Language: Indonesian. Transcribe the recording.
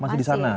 masih di sana